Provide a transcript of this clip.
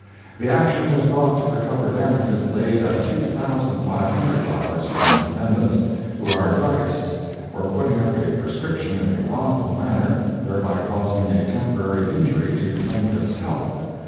The action was brought to recover damages laid at two thousand five hundred dollars, from defendants, who are druggists, for putting up a prescription in a wrongful manner, thereby causing a temporary injury to plaintiff's health.